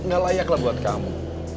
gak layak lah buat kamu